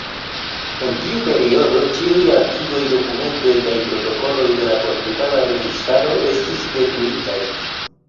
En tiu periodo, ĉiuj arkivoj, dokumentoj kaj protokoloj de la portugala registaro estis detruitaj.